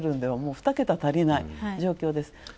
２けた足りない状況です。